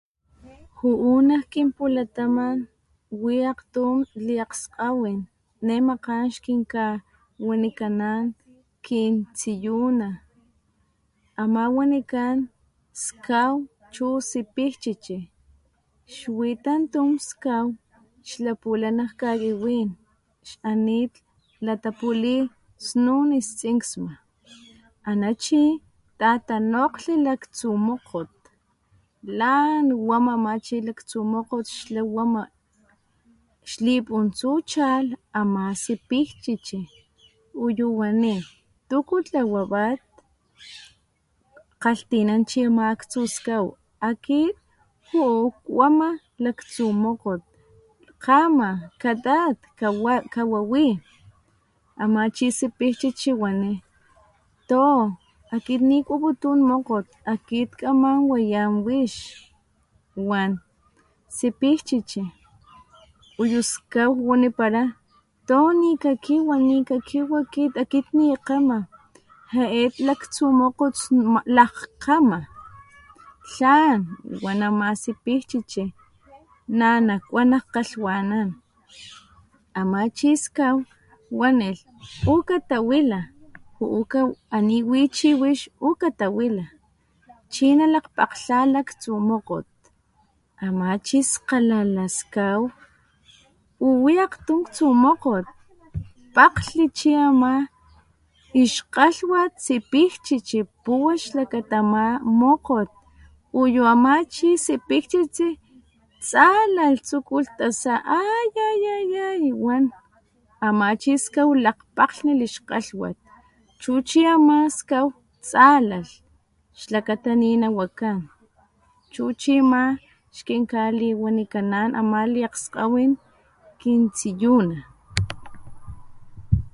Ju´u nak kinpulataman wi akgtun liakgskgawin ne makgan xkikawanikanan kintsiyuna, ama wanikan skaw chu sipijchichi xwi tantun skaw xlapula nak kakiwin xanit latapuli snun ixtsiksma ana chi tatanokglhi laktsu mokgot lan wama ama chi laktsu mokgot xla wama xlipuntsu chalh ama sipijchichi uyu wani ¿Tuku tlawapat? kgalhtinan chi ama aktsu skaw, akit juu kuama laktsu mokgot kgama katat kawawi, ama chi sipijchichi wani tooo akit nikuaputun mokgot akit kaman wayan wix wan sipijchichi uyu skaw wanipara tooo nikakiwa nikakiwa akit, akit nikgama jae laktsu mokgot lakgkgama , tlan wan ama sipijchichi na nakua nak kgalhwanan, ama chi skaw wanilh ukatawila ana niwi chiwix juu katawila nalakgpalha laktsu mokgot ama chi skgalala skaw uwi akgtun aktsu mokgot pakglhlhi chi ama ixkgalhwat sipijchichi puwa chi ama xlakata mokgot uyu ama chi sipijchichi tsalh tsukulh tasa aaiiiaiiiaiii wan ama chi skaw lakgpakglhnilh ixkgalhwat chu chi ama skaw tsalalh xlakata ninawakan chu chi ma xkinkawanikanan ama liakgskgawin kintsiyuna.